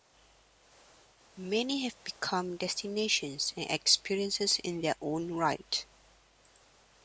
Many have become destinations and experiences in their own right.